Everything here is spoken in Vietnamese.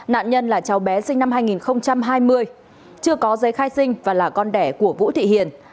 nạn nhân là cháu bé sinh năm hai nghìn hai mươi chưa có giấy khai sinh và là con đẻ của vũ thị hiền